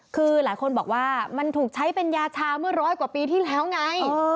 คือหลายคนบอกว่ามันถูกใช้เป็นยาชาเมื่อร้อยกว่าปีที่แล้วไง